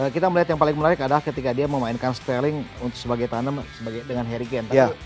kita melihat yang paling menarik adalah ketika dia memainkan stelling sebagai tanam dengan harry game